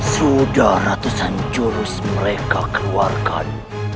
sudah ratusan jurus mereka keluarkan